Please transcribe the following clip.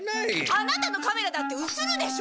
あなたのカメラだって写るでしょ！